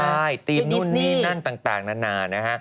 ใช่ทีมนู่นนี่นั่นต่างนานา